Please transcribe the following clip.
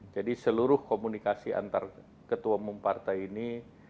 jadi seluruh komunikasi antar ketua umum partai ini